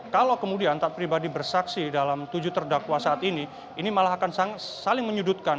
kalau kemudian taat pribadi bersaksi dalam tujuh terdakwa saat ini ini malah akan saling menyudutkan